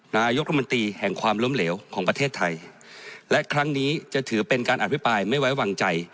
นายกรมนตรีแห่งความล้มเหลวของประเทศไทยและครั้งนี้จะถือเป็นการอภิปรายไม่ไว้วางใจ